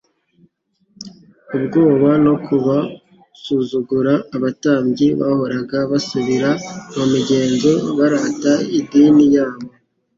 ubwoba no kubasuzugura. Abatambyi bahoraga basubira mu migenzo barata idini yabo